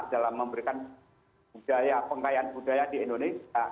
dalam memberikan budaya pengkayaan budaya di indonesia